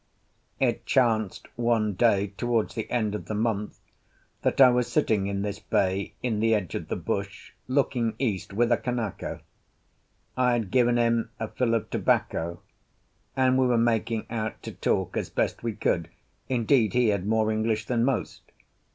It chanced one day towards the end of the month, that I was sitting in this bay in the edge of the bush, looking east, with a Kanaka. I had given him a fill of tobacco, and we were making out to talk as best we could; indeed, he had more English than most.